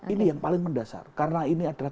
ini yang paling mendasar karena ini adalah